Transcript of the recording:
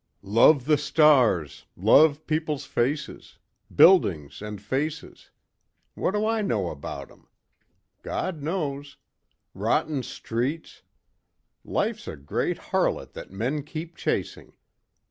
9 "Love the stars. Love people's faces. Buildings and faces. What do I know about 'em? God knows. Rotten streets.... Life's a great harlot that men keep chasing.